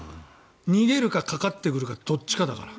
逃げるか、かかってくるかどっちからだから。